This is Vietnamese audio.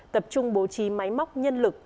tập trung bố trí máy móc nhân lực